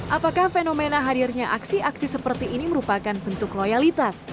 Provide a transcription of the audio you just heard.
apakah fenomena hadirnya aksi aksi seperti ini merupakan bentuk loyalitas